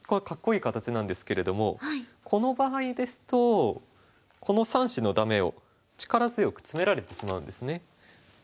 かっこいい形なんですけれどもこの場合ですとこの３子のダメを力強くツメられてしまうんですね。